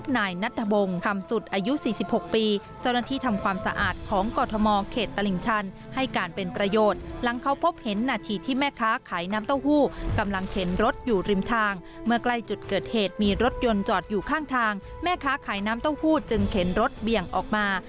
นาทีที่แม่ค้าขายน้ำเต้าหู้กำลังเข็นรถอยู่ริมทางเมื่อใกล้จุดเกิดเหตุมีรถยนต์จอดอยู่ข้างทางแม่ค้าขายน้ำเต้าหู้จึงเข็นรถเบี่ยงออกมา